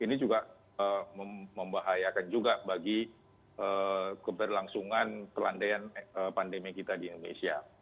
ini juga membahayakan juga bagi keberlangsungan kelandaian pandemi kita di indonesia